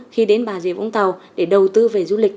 khi đến bà diệp vũng tàu để đầu tư về du lịch